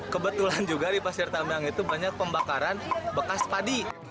kebetulan juga di pasir tambang itu banyak pembakaran bekas padi